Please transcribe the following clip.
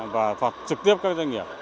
và phạt trực tiếp các doanh nghiệp